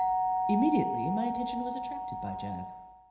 " Immediately my attention was attracted by Jagg.